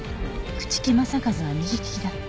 朽木政一は右利きだった。